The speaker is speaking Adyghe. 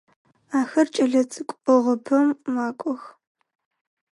Ахэр кӏэлэцӏыкӏу ӏыгъыпӏэм макӏох.